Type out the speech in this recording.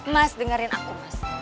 mas dengerin aku mas